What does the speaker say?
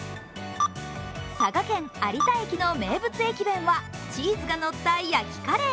佐賀県有田駅の名物駅弁はチーズがのった焼きカレー。